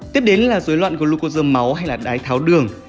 tiếp đến là dối loạn glocos máu hay là đái tháo đường